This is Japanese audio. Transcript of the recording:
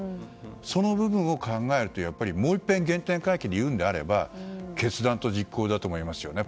その部分を考えてやっぱりもういっぺん原点回帰でいうのであれば決断と実行だと思いますよね。